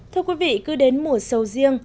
thưa quý vị cứ đến mùa sầu riêng